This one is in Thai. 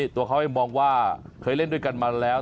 ตัวเขาเองมองว่าเคยเล่นด้วยกันมาแล้ว